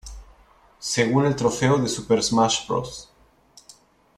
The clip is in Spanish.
Según el trofeo de Super Smash Bros.